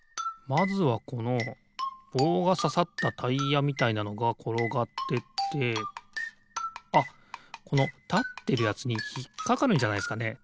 まずはこのぼうがささったタイヤみたいなのがころがってってあっこのたってるやつにひっかかるんじゃないすかね？